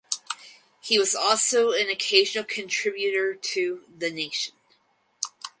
He was also an occasional contributor to "The Nation".